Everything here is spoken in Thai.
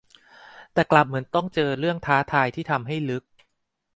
แต่กลับเหมือนต้องเจอเรื่องท้าทายที่ทำให้ลึก